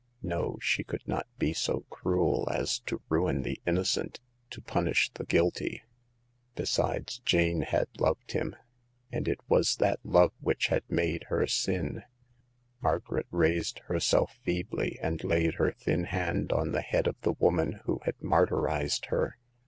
No, she could not be so cruel as to ruin the inno cent to punish the guilty. Besides, Jane had loved him, and it was that lov^ whvc\v\\^Ji\s^.^5i^\^K^ 12 178 Hagar of the Pawn Shop. sin. Margaret raised herself feebly, and laid her thin hand on the head of the woman who had martyrized her.